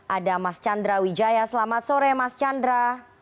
ada mas chandra wijaya selamat sore mas chandra